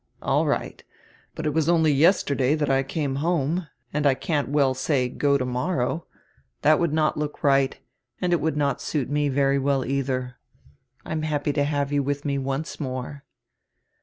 "All right. But it was only yesterday that I canre home and I can't well say: 'go tomorrow.' That would not look right and it would not suit nre very well either. I anr happy to have you with me once more."